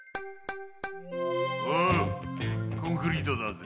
おうコンクリートだぜ。